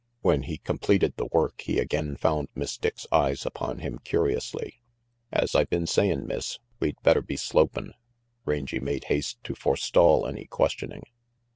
When he completed the work, he again found Miss Dick's eyes upon him curiously. "As I been savin', Miss, we'd better be slopin'," Rangy made haste to forestall any questioning.